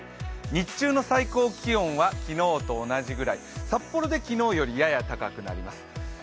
日中の最高気温は昨日と同じぐらい札幌で昨日よりやや高くなります。